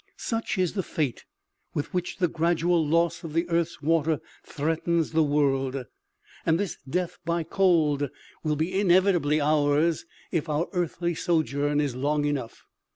Such is the fate with which the gradual loss of the earth's water threatens the world, and this death by cold will be OMEGA. 103 inevitably ours, if our earthly sojourn is long enough.